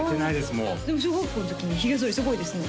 もうでも小学校の時にひげそりすごいですね